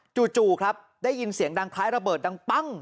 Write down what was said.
จู่ครับได้ยินเสียงดังคล้ายระเบิดดังปั้ง